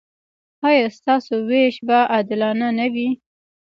ایا ستاسو ویش به عادلانه نه وي؟